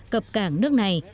cập cảng nước này